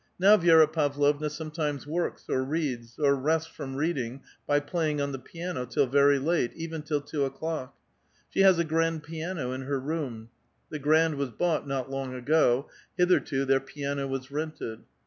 Now Vi<!;ra Pavlovna sometimes works or reads, or rests from reading by phiying on the piano, till very late, even till two o'clock. She has a grand piano in her room ; the grand was bought not long ago ; hitherto their piano was rented.